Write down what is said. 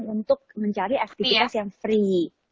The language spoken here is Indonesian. untuk mencari aktivitas yang free